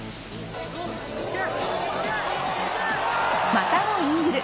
またもイーグル。